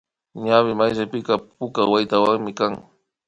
Ñawi mayllapika puka waytawami kan